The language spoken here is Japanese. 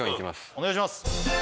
お願いします